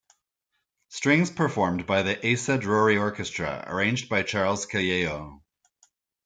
Strings performed by the Asa Drori Orchestra, arranged by Charles Calello.